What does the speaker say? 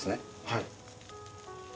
はい。